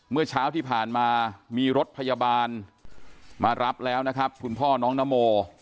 เมื่อเช้าที่ผ่านมามีรถพยาบาลมารับแล้วนะครับคุณพ่อน้องนโม